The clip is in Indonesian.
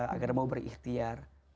agar mau berikhtiar